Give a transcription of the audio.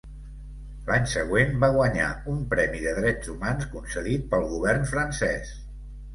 L'any següent va guanyar un premi de drets humans concedit pel govern francès.